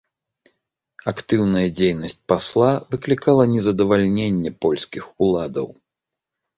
Актыўная дзейнасць пасла выклікала незадавальненне польскіх уладаў.